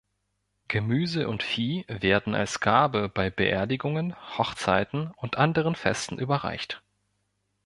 Gemüse und Vieh werden als Gabe bei Beerdigungen, Hochzeiten und anderen Festen überreicht.